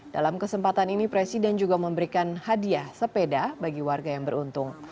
dalam kesempatan ini presiden juga memberikan hadiah sepeda bagi warga yang beruntung